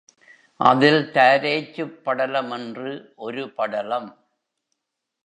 அதில் தாரேச்சுரப் படலம் என்று ஒரு படலம்.